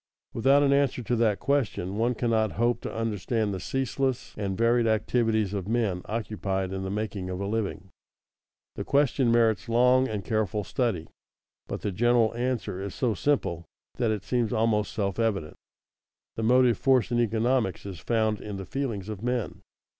Without an answer to that question one cannot hope to understand the ceaseless and varied activities of men occupied in the making of a living. The question merits long and careful study, but the general answer is so simple that it seems almost self evident: The motive force in economics is found in the feelings of men.